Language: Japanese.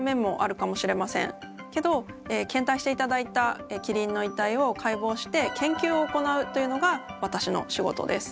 けど献体していただいたキリンの遺体を解剖して研究を行うというのが私の仕事です。